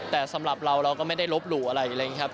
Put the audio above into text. แต่สำหรับเราเราก็ไม่ได้ลบหลู่อะไรอะไรอย่างนี้ครับ